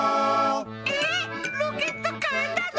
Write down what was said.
ええっロケットかえたの？